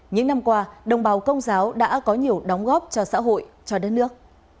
những năm qua đồng bào công giáo đã có nhiều đóng góp cho xã hội cho đất nước